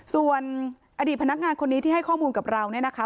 ส่วนอดีตพนักงานคนนี้ที่ให้ข้อมูลกับเราเนี่ยนะคะ